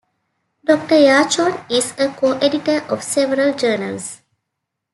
Doctor Yarchoan is a co-editor of several journals.